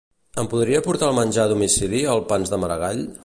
Em podria portar el menjar a domicili el Pans de Maragall?